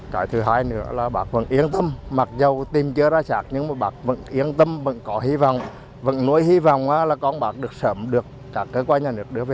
cái thứ hai nữa là bác vẫn yên tâm mặc dù tìm chưa ra sạc nhưng mà bác vẫn yên tâm vẫn có hy vọng vẫn nuôi hy vọng là con bác được sớm được các cơ quan nhà nước đưa về